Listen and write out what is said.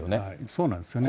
そうなんですね。